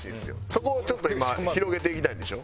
そこをちょっと今広げていきたいんでしょ？